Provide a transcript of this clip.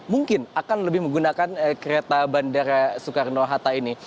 mungkin akan lebih menggunakan kereta bandara soekarno hatta ini